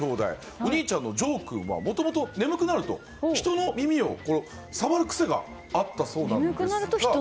お兄ちゃんのじょう君はもともと眠くなると人の耳を触る癖があったそうなんです。